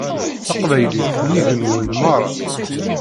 Taqbaylit nnig-wen merra.